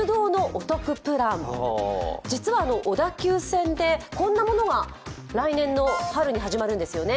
実は小田急線でこんなものが来年の春に始まるんですよね。